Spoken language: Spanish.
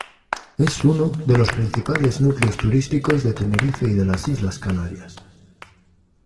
Es uno de los principales núcleos turísticos de Tenerife y de las Islas Canarias.